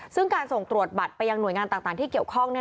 ซึ่งการส่งตรวจบัตรไปยังหน่วยงานต่างที่เกี่ยวข้อง